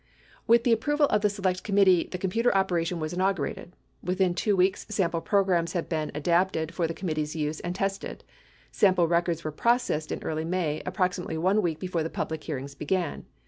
With the approval of the Select Committee, the computer operation was inaugurated. Within 2 weeks, sample programs had been adapted for the committee's use and tested. Sample records were processed in early May, approximately 1 week before the public hearings began.